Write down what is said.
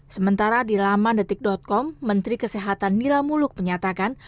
sementara di lamandetik com menteri kesehatan mila muluk menyatakan